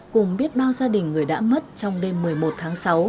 cùng biết bao gia đình người đã mất trong đêm một mươi một tháng sáu